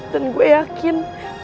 dan gue yakin